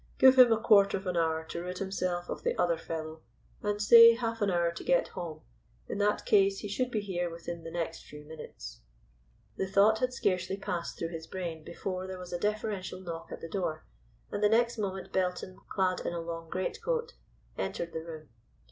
"Give him a quarter of an hour to rid himself of the other fellow, and say half an hour to get home. In that case he should be here within the next few minutes." The thought had scarcely passed through his brain before there was a deferential knock at the door, and the next moment Belton, clad in a long great coat, entered the room.